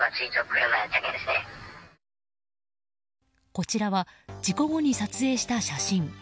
こちらは事故後に撮影した写真。